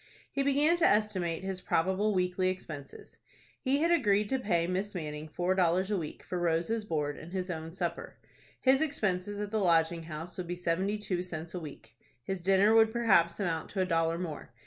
He began to estimate his probable weekly expenses. He had agreed to pay Miss Manning four dollars a week for Rose's board and his own supper. His expenses at the Lodging House would be seventy two cents a week. His dinner would perhaps amount to a dollar more.